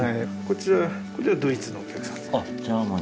こちらこれはドイツのお客様ですね。